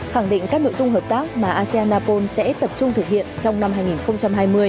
khẳng định các nội dung hợp tác mà asean napol sẽ tập trung thực hiện trong năm hai nghìn hai mươi